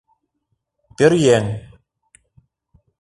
Пӧръеҥ.